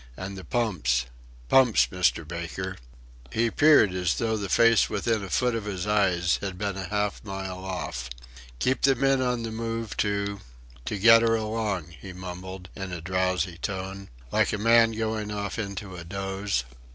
"And the pumps pumps, Mr. Baker." He peered as though the face within a foot of his eyes had been half a mile off. "Keep the men on the move to to get her along," he mumbled in a drowsy tone, like a man going off into a doze.